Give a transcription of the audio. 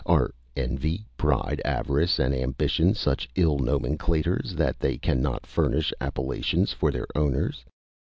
Are envy, pride, avarice, and ambition such ill nomenclators, that they cannot furnish appellations for their owners?